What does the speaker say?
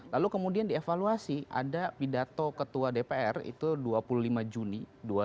lalu kemudian dievaluasi ada pidato ketua dpr itu dua puluh lima juni dua ribu dua puluh